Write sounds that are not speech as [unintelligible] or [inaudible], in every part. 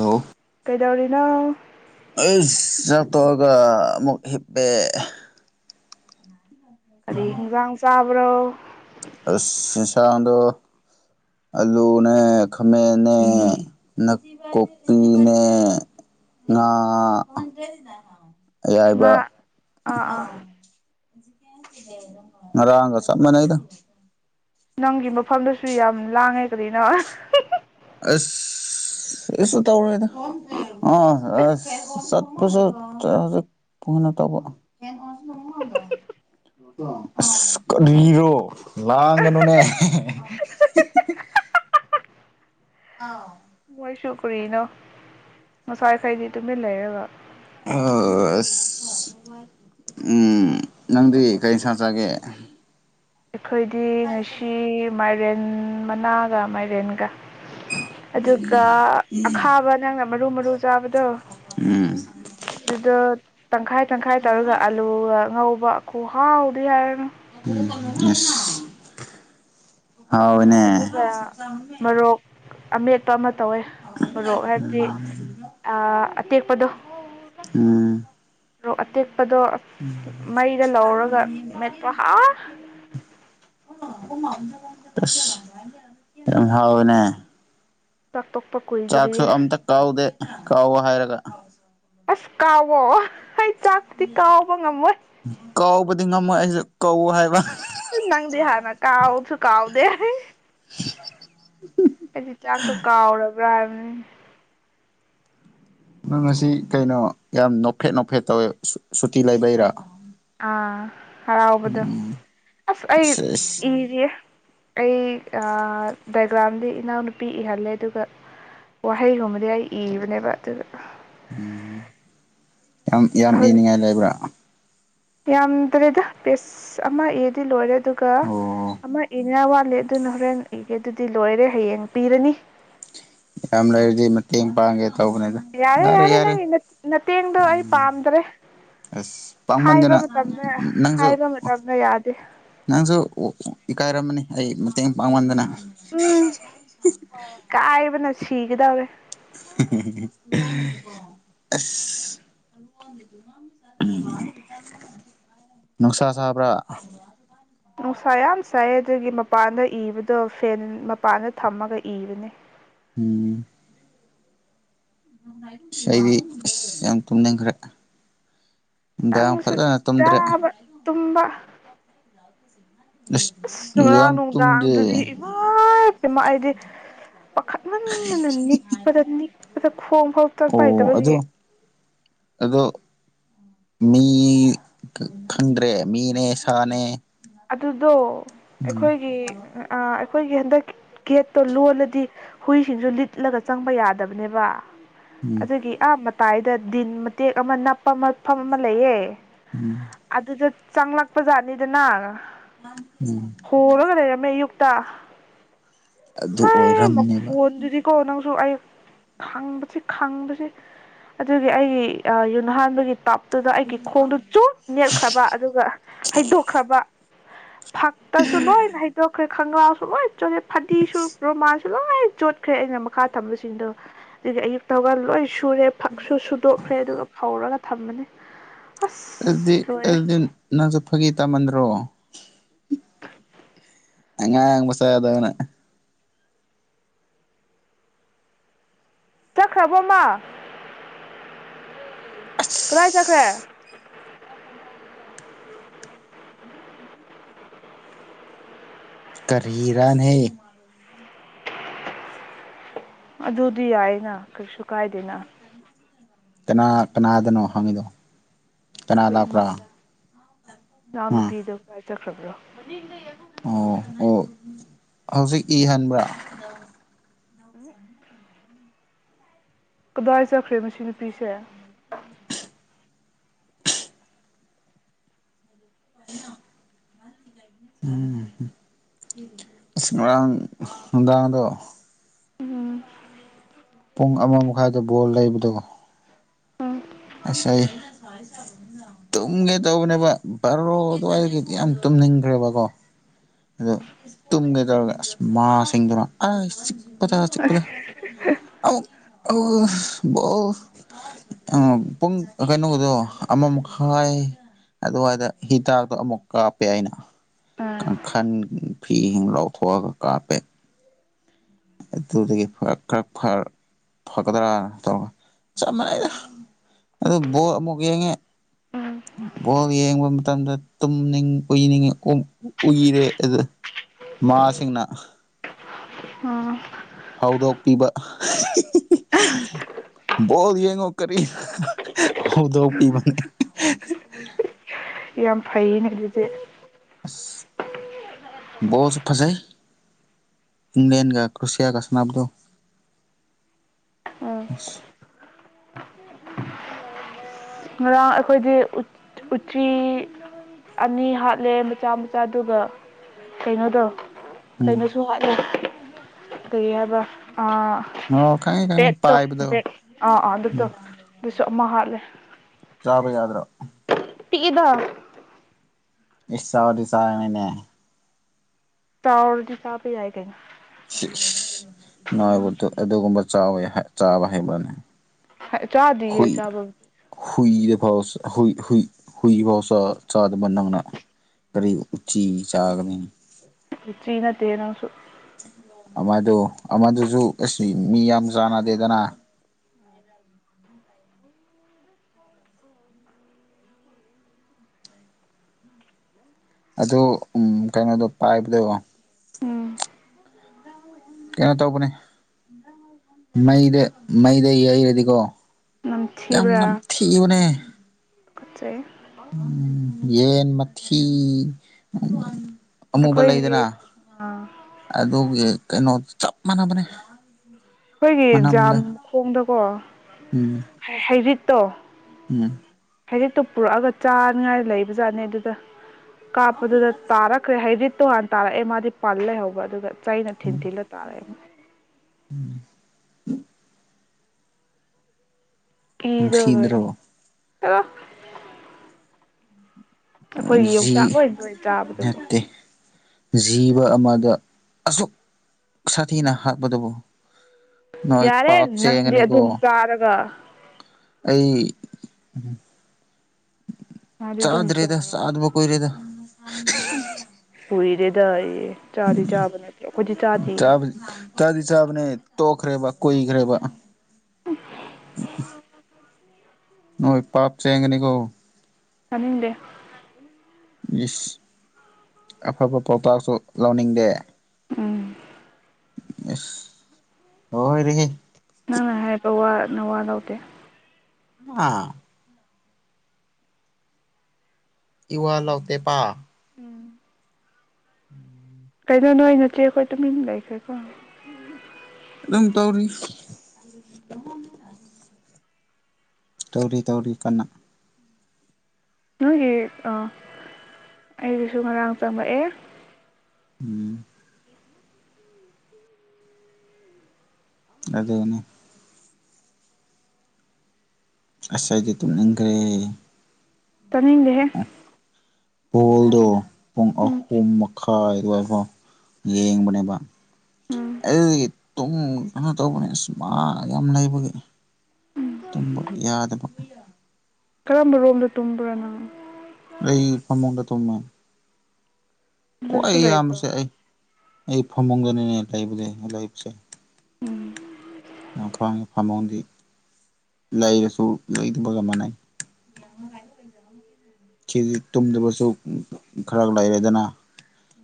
ꯑꯑꯣ ꯀꯗꯧꯔꯤꯅꯣ ꯑꯩ ꯆ ꯇꯑꯒ ꯑꯃꯨꯛ ꯍꯞꯄꯦ ꯀꯔꯤ ꯍꯤꯟꯖꯥꯡ ꯆꯥꯕ ꯈ꯭ꯔꯣ ꯆꯟꯁꯥꯡꯗꯣ ꯑꯜꯂꯨꯅꯦ ꯈꯥꯃꯦꯟꯟꯅ ꯅꯥꯀꯨꯞꯄꯤꯅꯦ ꯉꯥ ꯑꯌꯥꯏꯕ ꯉꯥ ꯑꯥ ꯑꯥ ꯔꯥꯡꯒ ꯁꯃꯅꯗ ꯅꯪꯒꯤ ꯃꯐꯝꯗꯁꯨ ꯌꯥꯝ ꯂꯥꯡꯉꯦ ꯀꯅꯣ ꯑꯁ ꯀꯁꯨ ꯇꯧꯔꯦꯗ ꯑ ꯑꯁ ꯆꯠꯄꯁꯨ ꯍꯧꯖꯤꯛ ꯐꯅ ꯇꯧꯕ ꯑꯁ ꯀꯔꯤꯔꯣ ꯂꯥꯡꯒꯅꯨꯅꯦ ꯑꯥꯎ ꯃꯣꯏꯁꯨꯨ ꯀ꯭ꯔꯤꯅꯣ ꯉꯁꯥꯏꯈꯩꯗꯤ ꯇꯨꯃꯤꯟ ꯂꯩꯦꯕ ꯑꯁ ꯎ ꯅꯪꯗꯤ ꯀꯔꯤ ꯁꯥ ꯆꯒꯦ ꯑꯩꯈꯣꯏꯗꯤ ꯉꯁꯤ ꯃꯥꯏꯔꯦꯟ ꯃꯅꯥꯒ ꯃꯥꯏꯔꯦꯟꯒ ꯑꯗꯨꯒ ꯑꯈꯥꯕ ꯅꯪꯅ ꯃꯔꯨ ꯃꯔꯨ ꯆꯥꯕꯗꯣ ꯎꯝ ꯑꯗꯨꯗꯣ ꯇꯪꯈꯥꯏ ꯇꯪꯈꯥꯏ ꯇꯧꯔꯒ ꯑꯂꯨꯒ ꯉꯧ ꯕꯥ ꯈꯨꯍꯥꯎꯗꯤ ꯌꯥꯔ ꯎꯝ ꯑꯁ ꯍꯥꯎꯋꯦꯅꯦ ꯑꯗꯨꯒ ꯃꯔꯣꯔꯣꯛ ꯑꯃꯦꯠꯄ ꯑꯃ ꯇꯧꯋꯦ ꯃꯔꯣꯔꯣꯛ ꯍꯥꯏꯕꯗꯤ ꯑꯇꯦꯛꯄꯗꯣ ꯎꯝ ꯔꯣꯛ ꯑꯇꯦꯛ ꯄꯗꯣ ꯃꯩꯗ ꯂꯧꯔꯒ ꯃꯦꯄꯣ ꯍꯥ ꯑꯁ ꯌꯥꯝꯝ ꯍꯥꯎꯅꯦ ꯆꯥꯛꯇꯣꯛꯄ ꯆꯥꯛꯁꯨ ꯀꯨꯏꯗ꯭ꯔꯤꯌꯦ ꯑꯝꯇ ꯀꯥꯎꯗꯦ ꯀꯥꯎꯋ ꯍꯥꯏꯔꯒ ꯀꯕꯣ ꯍꯥꯏ ꯆꯥꯛꯇꯇꯗꯤ ꯀꯥꯎꯕ ꯉꯝꯃꯣꯏ ꯕꯨꯗꯤ ꯉꯝꯃꯣꯏ ꯑꯩꯁꯨ ꯀꯧ ꯍꯥꯏꯕ ꯅꯪꯗꯦ ꯍꯥꯥꯅ ꯀꯥꯎꯁꯨ ꯀꯥꯎꯗꯦꯦ ꯑꯩꯗꯤ ꯆꯥꯛꯇꯣ ꯀꯥꯎꯔꯕ ꯄꯨ꯭ꯔꯥ ꯅꯪ ꯉ ꯑꯁꯤ ꯀꯩꯅꯣ ꯌꯥꯝ ꯅꯣꯞꯐꯦꯠ ꯅꯣꯞꯐꯦꯠ ꯇꯧꯋꯦ ꯁꯨꯇꯤ ꯂꯩꯕꯩꯔꯥ ꯑꯥ ꯍꯔꯥꯎꯕꯗꯣ ꯎꯝ ꯑꯁ ꯑꯩ ꯏꯁ ꯏꯁ ꯏꯔꯤꯌꯦ ꯑꯩ ꯗꯥꯏꯒ꯭ꯔꯥꯝꯗꯤ ꯏꯅꯥꯎꯅꯨꯄꯤ ꯏꯍꯜꯂꯦ ꯑꯗꯨꯒ ꯋꯥꯍꯩꯒꯨꯝꯕꯗꯤ ꯑꯩ ꯏꯕꯅꯦꯕ ꯑꯗꯨꯒ ꯎꯝ ꯌꯥꯝ ꯌꯥꯝ ꯍꯧꯖꯤꯛ ꯏꯅꯤꯡꯉꯥꯏ ꯂꯩꯕ꯭ꯔꯥ ꯌꯥꯝꯗ꯭ꯔꯦꯗ ꯄꯦꯁ ꯑꯃ ꯑꯦꯗꯤ ꯂꯣꯏꯔꯦ ꯑꯣ ꯑꯃ ꯏꯅꯦ ꯈꯜꯂꯦ ꯑꯗꯨꯅ ꯍꯣꯔꯦꯟ ꯏꯒꯦ ꯑꯗꯨꯗꯤ ꯂꯣꯏꯔꯦ ꯍꯌꯦꯡ ꯄꯤꯔꯅꯤ ꯌꯥꯝ ꯂꯩꯔꯗꯤ ꯃꯠꯇꯦꯡ ꯄꯥꯡꯉ‌ꯦ ꯇꯧꯕꯅꯦꯗ ꯌꯥꯔꯦ ꯌꯥꯔꯦ ꯅꯪꯒꯤ ꯅꯇꯦꯡꯗꯣ ꯑꯩ ꯎꯝ ꯄꯥꯝꯗ꯭ꯔꯦ ꯑꯁ ꯍꯥꯏꯕ ꯄꯥꯃꯟꯗꯅ ꯃꯇꯝꯗ ꯅꯪꯁꯨ ꯍꯥꯏꯕ ꯃꯇꯝꯗ ꯌꯥꯗꯦ ꯅꯪꯁꯨ ꯏꯀꯥꯏꯔꯝꯃꯅꯤ ꯑꯩ ꯃꯇꯦꯡ ꯄꯥꯡꯍꯟꯗꯅ ꯎꯝ [unintelligible] ꯁꯤꯒꯗꯧꯑ‌ꯦ ꯑꯁꯤ ꯅꯨꯡꯁꯥ ꯁꯥꯕ꯭ꯔꯥ ꯅꯨꯡꯁꯥ ꯌꯥꯝ ꯆꯥꯏ ꯑꯗꯨꯒꯤ ꯃꯄꯥꯟꯗ ꯏꯕꯗꯣ ꯐꯦꯟ ꯃꯄꯥꯟꯗ ꯊꯝꯃꯒ ꯏꯕꯅꯦ ꯎꯝ ꯑꯁ ꯑꯩꯗꯤ ꯑꯁ ꯌꯥꯝ ꯇꯨꯝꯅꯤꯡꯈ꯭ꯔꯦ ꯅꯨꯡꯗꯥꯡ ꯅꯪꯁꯨ ꯐꯖꯅ ꯇꯨꯝꯗ꯭ꯔꯦ ꯆꯥꯕ ꯇꯨꯝꯕ ꯑꯁ ꯅꯨꯡꯔꯥꯡ ꯌꯥꯝ ꯇꯨꯝꯗꯦ ꯅꯨꯡꯗꯥꯡꯗꯨꯗꯤ ꯏꯃꯥ ꯄꯃ ꯑꯩꯗꯤ ꯅꯤꯛꯄꯗꯥ ꯅꯤꯛꯄꯗꯥ ꯈꯣꯡ ꯐꯥꯎ ꯇꯛꯄ ꯑꯣ ꯍꯩꯇꯕꯗꯤ ꯑꯗꯣ ꯑꯗꯣ ꯃꯤ ꯈꯪꯗ꯭ꯔꯦ ꯃꯤꯅꯦ ꯁꯥꯅꯦ ꯑꯗꯨꯗꯣ ꯎꯝ ꯑꯩꯈꯣꯏꯒꯤ ꯑꯩꯈꯣꯏꯒꯤ ꯍꯟꯗꯛ ꯒꯦꯠꯇꯣ ꯂꯣꯜꯂꯗꯤ ꯍꯨꯏꯁꯤꯡꯁꯨ ꯂꯤꯠꯂꯒ ꯆꯪꯕ ꯌꯥꯗꯕꯅꯦꯕ ꯎꯝ ꯑꯗꯨꯒꯤ ꯑꯥ ꯄꯥꯏꯗ ꯗꯤꯟ ꯃꯇꯦꯛ ꯑꯃ ꯅꯞꯄ ꯃꯐꯝ ꯑꯃ ꯂꯩꯌꯦ ꯎꯝ ꯑꯗꯨꯗ ꯆꯪꯂꯛꯄ ꯖꯥꯠꯅꯤꯗꯅ ꯎꯝ ꯍꯣꯔꯒꯥ ꯂꯩꯔ꯭ꯃꯦ ꯌꯨꯝ [unintelligible] ꯑꯗꯨ [unintelligible] ꯑꯣꯏꯔꯝꯅꯦꯕ ꯃꯈꯣꯟꯗꯨꯤꯗꯤ ꯀꯣ ꯅꯪꯁꯨ ꯑꯩ ꯈꯕꯁꯤ ꯈꯪꯕꯕꯁꯤ ꯑꯗꯨꯒꯤ ꯑꯩꯒꯤ ꯌꯨꯍꯥꯟꯕꯒꯤ ꯇꯞ ꯑꯗꯨꯗ ꯑꯩꯒꯤ ꯈꯣꯡꯗꯨ ꯆꯨꯛ ꯅꯦꯠꯈ꯭ꯔꯕ ꯑꯗꯨꯒ ꯍꯩꯗꯣꯛꯈ꯭ꯔꯕ ꯐꯥꯛ ꯇꯁꯨ ꯂꯣꯏ ꯅꯍꯤꯗ ꯈ ꯈꯥꯁꯨ ꯂꯣꯏ ꯆꯂꯦ ꯐꯗꯤ ꯁꯨ ꯂꯣꯏ ꯆꯣꯠꯈ꯭ꯔꯦ ꯑꯩꯅ ꯃꯈꯥ ꯊꯝꯕꯁꯤꯡꯗꯣ ꯑꯗꯒꯤ ꯑꯌꯨꯛꯇꯒ ꯂꯣꯏ ꯁꯨꯔꯦ ꯐꯛꯁꯨ ꯁꯨꯗꯣꯛꯈ꯭ꯔꯦ ꯑꯗꯨꯒ ꯐꯧꯔꯒ ꯊꯝꯃꯅꯤ ꯑꯗꯨꯗꯤ ꯑꯗꯨꯗꯤ ꯅꯁꯨ ꯐꯒꯤ ꯆꯇꯥꯃꯟꯗ꯭ꯔꯣ ꯑꯉꯥꯡ ꯃꯆꯥꯗꯧꯅ ꯆꯈ꯭ꯔꯕꯣꯃꯥ ꯀꫪꯥꯏ ꯆꯠꯈ꯭ꯔꯦ ꯀꯔꯤꯔꯥꯅꯦ ꯑꯗꯨꯗꯤ ꯌꯥꯏꯌꯦꯅ ꯀꯩꯁꯨ ꯀꯥꯏꯗꯦꯅ ꯀꯅꯥ ꯀꯅꯥꯗꯅꯣ ꯍꯪꯉꯤꯗꯣ ꯀꯅꯥ ꯂꯛꯄꯔꯥ ꯏꯆꯥ ꯅꯨꯄꯤꯗꯤ ꯆꯠꯈ꯭ꯔꯕ꯭ꯔꯣ ꯑꯣ ꯑꯣ ꯍꯧꯖꯤꯛꯇꯤ ꯍꯟꯕ꯭ꯔꯥ ꯎꯝ ꯀꯗꯥꯏ ꯆꯠꯈ꯭ꯔꯦ ꯃꯁꯤꯁꯤ ꯅꯨꯄꯤꯁꯦ ꯎꯝ ꯉꯔꯪ ꯅꯨꯝꯗꯥꯥꯡꯗꯣ ꯎꯝ ꯄꯨꯡ ꯑꯃ ꯃꯈꯥꯏꯗ ꯕꯣꯜ ꯂꯩꯕꯗ‌ꯣ ꯎꯝ ꯑꯁꯤ ꯑꯩ ꯇꯨꯝꯒꯦ ꯇꯧꯕꯅꯦꯕ ꯕꯥꯔꯣ ꯑꯗꯨꯋꯥꯏꯒꯗꯤ ꯌꯥꯝ ꯇꯨꯝꯅꯤꯡꯈ꯭ꯔꯦꯕꯀꯣ ꯑꯗꯣ ꯇꯨꯝꯒꯦ ꯑꯁ ꯃꯥ ꯁꯤꯁꯤꯡꯗꯨꯅꯥ ꯑꯣ ꯑꯣ ꯑꯣ ꯑꯣ ꯎꯝ ꯄꯨꯡ ꯀꯩꯅꯣꯗꯣ ꯑꯃꯃꯥꯈꯥꯏ ꯑꯗꯨꯋꯥꯏꯗ ꯍꯤꯗꯥꯛꯇꯣ ꯑꯃꯨꯛ ꯀꯥꯞꯄꯦ ꯑꯩꯅ ꯎꯝ ꯀꯥꯟꯈꯥꯟ ꯐꯤ ꯏꯁꯤꯡ ꯂꯧꯊꯣꯛꯑꯒ ꯀꯥꯞꯄꯦ ꯑꯗꯨꯗꯒꯤ ꯈꯔ ꯐꯒꯗ꯭ꯔꯥꯅ ꯇꯧꯔꯒ ꯆꯞ ꯃꯥꯟꯅꯩꯗ ꯑꯗꯨ ꯕꯣꯜ ꯑꯃꯨꯛ ꯌꯦꯡꯉꯦ ꯎꯝ ꯕꯣꯜ ꯌꯦꯡꯕ ꯃꯇꯝꯗ ꯇꯨꯝꯏꯅꯤꯡꯉꯤ ꯎꯏꯔꯦ ꯑꯗꯨ ꯃꯥꯥꯁꯤꯡꯅ ꯎꯝ ꯍꯧꯗꯣꯛꯄꯤꯕ ꯕꯣꯠ ꯌꯦꯡꯉꯣ ꯀꯔꯤ ꯍꯧꯗꯣꯛꯄꯤꯕꯅꯤ ꯌꯥꯝ ꯐꯩꯌꯦꯅ ꯍꯧꯖꯤꯁꯦ ꯕꯣꯁꯨ ꯐꯁ ꯏꯪ꯭ꯂꯦꯟ ꯀ ꯀ꯭ꯔꯣꯁꯤꯌꯥ ꯀ ꯁꯅꯞꯗꯣ ꯎꯝ ꯉꯔꯥꯡ ꯑꯩꯈꯣꯏꯗꯤ ꯎꯇꯤ ꯑꯅꯤ ꯍꯥꯠꯂꯦ ꯃꯆꯥ ꯃꯆꯥꯗꯨ ꯀꯩꯅꯣꯗꯣ ꯎꯝ ꯀꯩꯅꯣꯁꯨ ꯋꯥꯠꯂꯦ ꯀꯒꯔꯕ ꯑ ꯑꯣ ꯈꯪꯉꯦ ꯈꯪꯉꯦ ꯕꯦꯠꯇꯣ ꯄꯥꯏꯕꯗꯣ ꯕꯦꯛ ꯑꯥ ꯑꯥ ꯑꯗꯨꯗꯣ ꯁꯨ ꯑꯃ ꯍꯥꯠꯂꯦ ꯆꯥꯕ ꯌꯥꯗ꯭ꯔꯥ ꯇꯤꯗꯣ ꯏꯁꯁꯥꯁꯥ ꯃꯅꯦ ꯆꯗꯤ ꯆꯥꯕ ꯌꯥꯏ ꯀꯩꯅ ꯥꯏꯕꯗꯨ ꯑꯗꯨꯒꯨꯝꯕ ꯆꯥꯕ ꯍꯩꯕꯅꯦ ꯆꯥꯗꯤꯌꯦ ꯍꯨꯏ ꯆꯥꯕ ꯍꯨꯏꯗ ꯐꯥꯎ ꯆ ꯍꯨꯏ ꯍꯨꯏ ꯍꯨꯏ ꯐꯥꯎ ꯆꯗꯕ ꯅꯪꯅ ꯀꯔꯤ ꯎꯆꯤ ꯆꯥꯒꯅꯤ ꯎꯆꯤ ꯅꯠꯇꯦ ꯅꯪꯁꯨ ꯑꯃꯗꯨ ꯑꯃꯗꯨꯁꯨ ꯑꯁꯤ ꯃꯤ ꯌꯥꯝ ꯆꯥꯟꯅꯗꯦꯗꯅ ꯑꯗꯨ ꯀꯩꯅꯣꯗꯣ ꯄꯥꯏꯕꯗꯣ ꯎꯝ ꯀꯩꯅꯣ ꯇꯧꯕꯅꯦ ꯃꯩꯗ ꯃꯩꯗ ꯌꯩꯔꯗꯤꯀꯣ ꯌꯥꯝ ꯅꯝꯊꯤꯕꯅꯦ ꯀꯠꯆꯩ [unintelligible] ꯌꯦꯟ ꯃꯊꯤ ꯑꯃꯨꯕ ꯑꯩꯈꯣꯏꯒꯤ ꯂꯩꯗꯅ ꯑꯥ ꯑꯗꯨꯒꯤ ꯀꯩꯅꯣ ꯆꯞ ꯃꯥꯟꯕꯅꯦ ꯑꯩꯈꯣꯏꯒꯤ ꯖꯥꯝ ꯈꯣꯡꯗꯀꯣ ꯎꯝ ꯍꯩꯔꯤꯠ ꯇꯣ ꯎꯝ ꯍꯔꯤꯠꯛꯇꯨ ꯄꯨꯔꯛꯑꯒ ꯆꯥꯅꯤꯉꯥꯏ ꯂꯩꯕ ꯖꯥꯠꯅꯤ ꯑꯗꯨꯗ ꯀꯥꯞꯄꯗꯨꯗ ꯇꯥꯔꯛꯈ꯭ꯔꯦ ꯍꯥꯏꯗꯤ ꯇꯣꯉꯥꯟ ꯇꯥꯔꯛꯑꯦ ꯃꯥꯗꯤ ꯄꯥꯜ ꯂꯩꯍꯧꯕ ꯑꯗꯨꯒ ꯆꯅ ꯊꯤꯟꯊꯤꯂ ꯇꯥꯔꯦ ꯎꯝ ꯏꯗ ꯑꯣꯏ ꯅꯨꯡꯁꯤꯗ꯭ꯔꯣ ꯑ ꯑꯩꯈꯣꯏꯒꯤ ꯖꯤ ꯌꯣꯡꯆꯥꯛ ꯂꯣꯏꯗꯣꯏ ꯆꯕꯗꯨ ꯅꯠꯇꯦ ꯖꯤꯕ ꯑꯃꯗ ꯑꯁꯨꯛ ꯁꯥꯊꯤꯅ ꯍꯥꯠꯄꯇꯕꯨ ꯌꯥꯔꯦ ꯅꯪꯗꯤ ꯑꯗꯨꯝ ꯆꯥꯔꯒ ꯑꯩ ꯃꯥꯗꯤ ꯑꯗꯨꯝ ꯆꯥꯗ ꯔꯦꯗ ꯆꯥꯔꯒ ꯆꯥꯗꯕ ꯀꯣꯏ ꯔꯦꯗ ꯄꯨꯏꯔꯦꯗꯏꯌꯦ ꯆ ꯆꯗꯤꯆꯥꯕꯅꯦ ꯇꯣꯛꯈ꯭ꯔꯦꯕ ꯀꯨꯏꯈ꯭ꯔꯦꯕ [unintelligible] ꯅꯣꯏꯣꯏ ꯄꯥꯞ ꯆꯦꯒꯅꯤꯀꯣ ꯆꯅꯤꯡꯗꯦ ꯏꯁꯁ ꯑꯐꯕ ꯄꯥꯎꯇꯥꯛꯁꯨ ꯂꯧꯅꯤꯡꯗꯦ ꯎꯝ [unintelligible] ꯍꯦ ꯅꯪꯅ ꯍꯥꯏꯔꯤꯕ ꯋꯥ ꯅꯋꯥ ꯂꯧꯗꯦ ꯑꯥ ꯏꯋꯥ ꯂꯧꯇꯦ ꯄ ꯎꯝ ꯎꯝ [inaudible] ꯀꯩꯩꯅꯣ ꯅꯣꯏ ꯅꯆꯦꯈꯣꯏ ꯇꯃꯤꯟ ꯂꯩ ꯈ꯭ꯔꯦꯀꯣ ꯑꯗꯨꯝ ꯇꯧꯔꯤ ꯇꯧꯔꯤ ꯇꯧꯔꯤ ꯀꯅꯥ ꯅꯣꯏꯒꯤ ꯑꯩꯒꯤꯁꯨ ꯉꯔꯥꯡ ꯆꯪꯂꯛꯑꯦ ꯎꯝ ꯑꯗꯨꯅꯦ ꯑꯁꯥꯏꯗꯤꯇꯨꯅꯪꯈ꯭ꯔꯦ ꯇꯅꯤꯡꯗꯦꯦ ꯍꯣꯜꯗ ꯄꯨꯡ ꯑꯍꯨꯝ ꯃꯈꯥꯏ ꯑꯗꯨꯒ ꯀꯣ ꯌꯦꯡꯕꯅꯦꯕ ꯎꯝ ꯑꯗꯨꯗꯨꯒꯤ [unintelligible] ꯀꯩꯅꯣ ꯇꯧꯕꯅꯦ ꯑꯁ ꯃꯥ ꯌꯥꯝ ꯂꯩꯕꯒꯤ ꯇꯨꯝꯕ ꯌꯥꯗꯕ ꯀꯔꯝꯕ ꯔꯣꯝꯗ ꯇꯨꯝꯕ꯭ꯔꯥꯅꯪ ꯑꯩ ꯐꯥꯃꯨꯡꯗ ꯇꯨꯝꯃꯦ ꯑꯣ ꯑꯗꯨꯁꯨ ꯑꯩ ꯂꯩꯕ꯭ꯔꯣ ꯏꯌꯥꯝꯕꯁꯦ ꯑꯩ ꯑꯩ ꯐꯃꯨꯡꯗꯅꯤꯅꯦ ꯂꯩꯕꯁꯦ ꯂꯩꯕꯁꯦ ꯎꯝ [unintelligible] ꯐꯃꯨꯡꯗꯤ ꯂꯩꯔꯁꯨ ꯂꯩꯗꯕꯒ ꯃꯥꯟꯅꯩ ꯁꯤꯗꯗꯤ ꯇꯨꯝꯗꯕꯁꯨ ꯈꯔ ꯂꯩꯔꯦꯗꯅ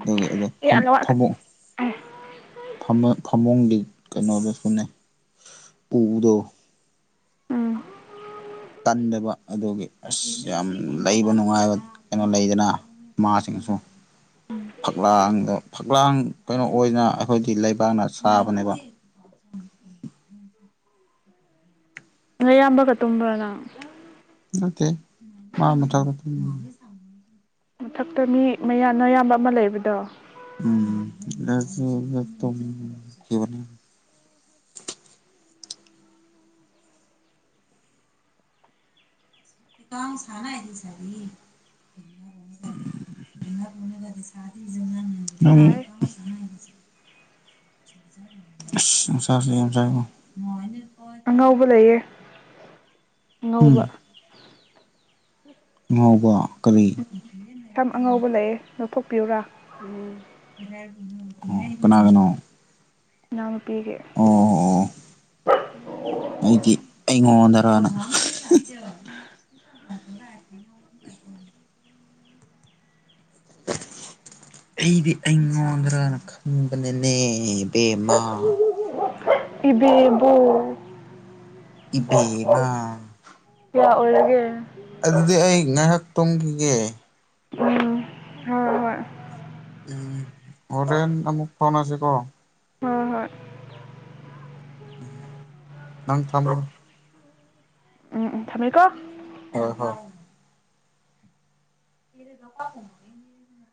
ꯑꯗꯨꯒꯤ ꯑꯗꯣ ꯑꯦ ꯐꯝ ꯑꯂꯋꯥ ꯑꯦ ꯐꯝꯃꯨꯡ ꯐꯝ ꯐꯃꯨꯡꯒꯤ ꯀꯩꯅꯣꯗꯁꯨꯅꯦ ꯎꯗꯣ ꯎꯝ ꯇꯟꯗꯕ ꯑꯗꯨꯒꯤ ꯑꯁ ꯌꯥꯝ ꯂꯩꯕ ꯅꯨꯡꯉꯥꯏꯕ ꯀꯩꯅꯣ ꯂꯩꯗꯅ ꯃꯥꯁꯤꯡꯁꯨ ꯐꯛꯂꯥꯡꯗ ꯐꯛꯂꯥꯡ ꯀꯩꯅꯣ ꯑꯣꯏꯗꯅ ꯑꯩꯈꯣꯏꯗꯤ ꯂꯩꯕꯥꯛꯅ ꯁꯥꯕꯅꯦꯕ ꯅꯌꯥꯝꯕꯒ ꯇꯨꯝꯕ꯭ꯔ ꯅꯪ ꯅꯠꯇꯦ ꯃꯥ ꯃꯊꯛꯇ ꯇꯨꯝꯕ ꯃꯊꯛꯇ ꯃꯤ ꯃꯌꯥꯟ ꯅꯌꯥꯝꯕ ꯑꯃ ꯂꯩꯕꯗꯣ ꯎꯝ [unintelligible] [unintelligible] ꯌꯥꯔꯦ ꯑꯁ ꯅꯨꯡ ꯁꯥꯁꯤ ꯌꯥꯝ ꯁꯥꯏꯕꯣ ꯑꯉꯧꯕ ꯂꯩꯌꯦ ꯎꯝ ꯉꯧꯕ ꯉꯧꯕ ꯀꯔꯤ ꯁꯝ ꯑꯉꯧꯕ ꯂꯩꯌꯦ ꯂꯧꯊꯣꯛꯄꯤꯌꯨꯔꯥ ꯎꯝ ꯀꯅꯥꯒꯤꯅꯣ [unintelligible] ꯑꯣ ꯑꯣ ꯑꯩꯗꯤ ꯑꯩꯉꯣꯟꯗꯔꯅ [inaudible] [inaudible] ꯑꯩꯗꯤ ꯑꯩꯉꯣꯟꯗ꯭ꯔꯅ ꯈꯟꯕꯅꯦꯅꯦ ꯄꯦꯝꯃ꯫ ꯏꯕꯦ ꯕꯣ꯫ ꯏꯕꯦꯝꯃ꯫ ꯀꯌꯥ ꯑꯣꯏꯔꯒꯦ꯫ ꯑꯗꯨꯗꯤ ꯑꯩ ꯉꯥꯏꯍꯥ ꯇꯨꯝꯒꯤꯒꯦ꯫ ꯎꯝ ꯍꯣ ꯍꯣꯏ꯫ ꯐꯣꯡꯉꯁꯤꯀꯣ꯫ ꯍꯣꯏ ꯍꯣꯏ꯫ ꯎꯝ꯫ ꯅꯪ ꯊꯝꯒ꯭ꯔꯣ꯫ ꯎꯝ ꯎꯝ꯫ ꯊꯝꯃꯦꯀꯣ ꯍꯣꯏ ꯍꯣꯏ꯫ [unintelligible]